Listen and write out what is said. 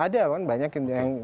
ada kan banyak yang